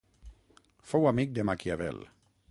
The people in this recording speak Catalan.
Fou amic de Maquiavel.